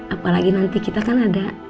apalagi nanti kita kan ada